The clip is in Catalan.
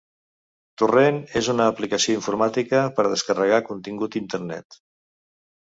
Torrent és una aplicació informàtica per a descarregar contingut d'internet